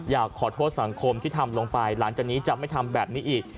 อยากขอโทษสังคมที่ทำลงไปหลังจากนี้จะไม่ทำแบบนี้อีก